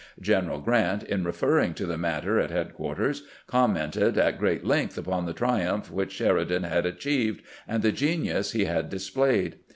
General G rant, in referring to the matter at headquarters, commented at great length upon the triumph which Sheridan had achieved, and the genius he had displayed.